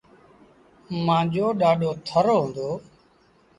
مآݩجو ڏآڏو ٿر رو هُݩدو۔